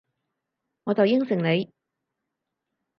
我就應承你